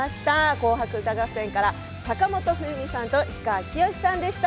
「紅白歌合戦」から坂本冬美さんと氷川きよしさんでした。